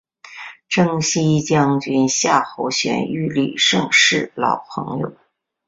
征西将军夏侯玄与李胜是老朋友。